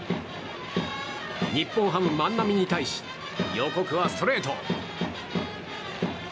日本ハム、万波に対し予告はストレート。